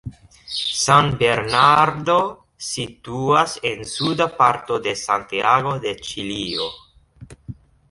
San Bernardo situas en suda parto de Santiago de Ĉilio.